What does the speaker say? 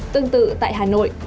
tương tự tại hà nội